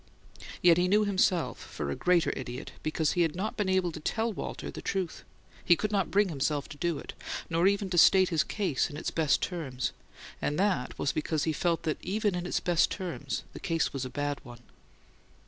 Yet he knew himself for a greater idiot because he had not been able to tell Walter the truth. He could not bring himself to do it, nor even to state his case in its best terms; and that was because he felt that even in its best terms the case was a bad one.